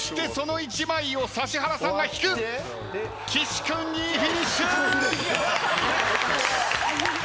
岸君２位フィニッシュ！